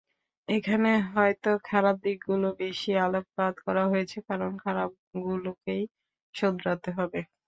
এখানে হয়তো খারাপ দিকগুলোতে বেশি আলোকপাত করা হয়েছে কারণ খারাপগুলোকেই শোধারাতে হবে।